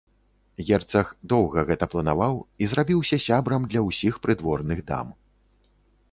Герцаг доўга гэта планаваў і зрабіўся сябрам для ўсіх прыдворных дам.